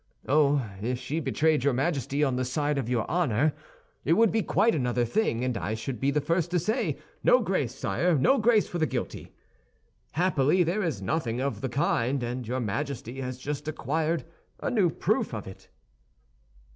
Oh, if she betrayed your Majesty on the side of your honor, it would be quite another thing, and I should be the first to say, 'No grace, sire—no grace for the guilty!' Happily, there is nothing of the kind, and your Majesty has just acquired a new proof of it."